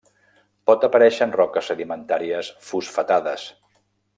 Pot aparèixer en roques sedimentàries fosfatades.